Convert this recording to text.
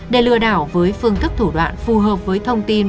để lừa đảo với phương thức thủ đoạn phù hợp với thông tin